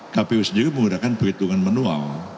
kpu sendiri menggunakan perhitungan manual